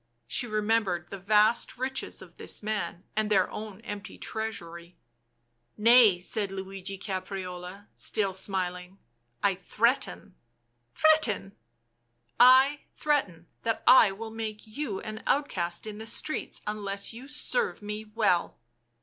She remembered the vast riches of this man and their own empty treasury. tc Nay," said Luigi Caprarola, still smiling. " I threaten." " Threaten !"" I threaten that I will make you an outcast in the streets unless you serve me well."